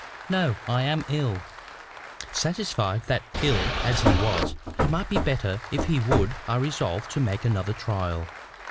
"No; I am ill." Satisfied that, ill as he was, he might be better if he would, I resolved to make another trial.